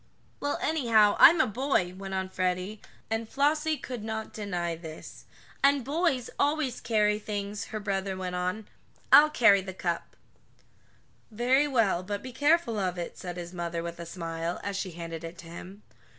"Well, anyhow, I'm a boy," went on Freddie, and Flossie could not deny this. "And boys always carries things," her brother went on. "I'll carry the cup." "Very well, but be careful of it," said his mother with a smile, as she handed it to him.